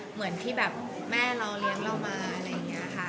เหมือนที่แบบแม่เราเลี้ยงเรามาอะไรอย่างนี้ค่ะ